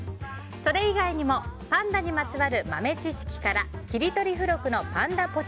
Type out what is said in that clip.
それ以外にもパンダにまつわる豆知識から切り取り付録のパンダぽち